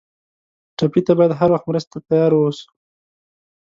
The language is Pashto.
ټپي ته باید هر وخت مرستې ته تیار ووسو.